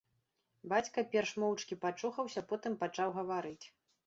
Бацька перш моўчкі пачухаўся, потым пачаў гаварыць.